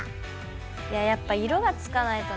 いややっぱ色がつかないとね